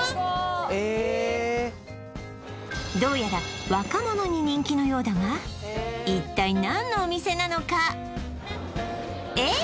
ええっどうやら若者に人気のようだが一体何のお店なのかえっ？